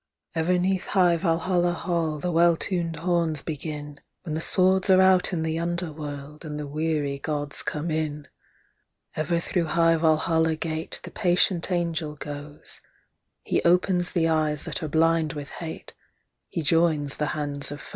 Ever 'neath high Valhalla Hall the well tuned horns begin, When the swords are out in the underworld, and the weary Gods come in. Ever through high Valhalla Gate the Patient Angel goesHe opens the eyes that are blind with hate—he joins the hands of foes.